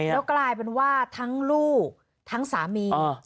แล้วกลายเป็นว่าทั้งลูกทั้งสามี